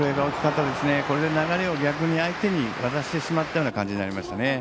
これで流れを逆に相手に渡してしまったような感じになりましたね。